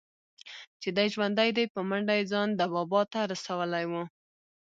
چې دى ژوندى دى په منډه يې ځان ده بابا ته رسولى و.